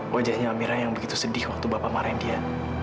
wajahnya amirah yang begitu sedih waktu bapak marahin dia